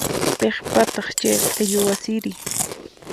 Piqpataq chay q'illu wasiri?